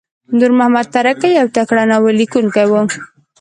نورمحمد ترهکی یو تکړه ناوللیکونکی وو.